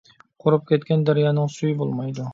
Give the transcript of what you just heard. قۇرۇپ كەتكەن دەريانىڭ سۈيى بولمايدۇ.